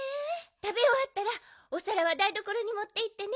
たべおわったらおさらはだいどころにもっていってね。